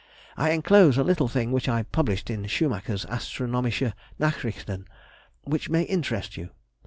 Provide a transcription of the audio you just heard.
I enclose a little thing which I published in Schumacher's Astronomische Nachrichten which may interest you.